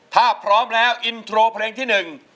ถ้าพร้อมแล้วอินโทรเพลงที่หนึ่ง